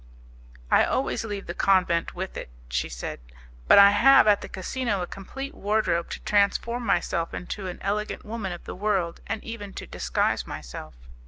"I always leave the convent with it," she said, "but I have at the casino a complete wardrobe to transform myself into an elegant woman of the world, and even to disguise myself."